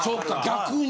逆に。